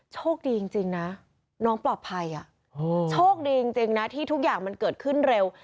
โชคดีจริงนะน้องปลอดภัยโชคดีจริงนะที่ทุกอย่างมันเกิดขึ้นเร็ว